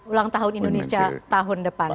ulang tahun indonesia tahun depan